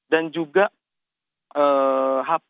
dan juga hp merk yang dimiliki oleh pelaku